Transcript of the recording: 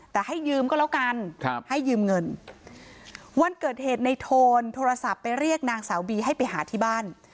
แต่ให้ยืมก็แล้วกันให้ยืมเงินวันเกิดเหตุในโทนโทรศัพท์ไปเรียกนางสาวบีให้ไปหาที่บ้าน